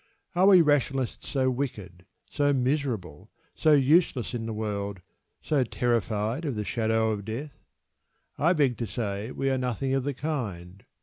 Are we Rationalists so wicked, so miserable, so useless in the world, so terrified of the shadow of death? I beg to say we are nothing of the kind.